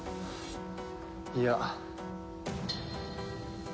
いや。